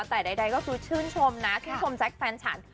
แต่ใดก็ถือชื่นชมที่ผมแจกแฟนฉัน